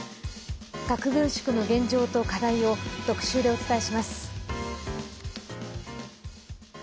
核軍縮の現状と課題を特集でお伝えします。